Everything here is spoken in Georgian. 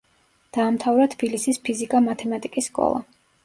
დაამთავრა თბილისის ფიზიკა-მათემატიკის სკოლა.